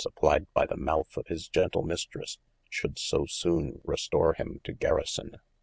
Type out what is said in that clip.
applyed by the mouth of his gentle Mistresse, should so soone resto[r]te him to guerison.